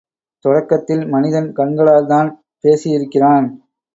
தொடக்கத்தில் மனிதன் கண்களால்தான் பேசியிருக்கிறான்.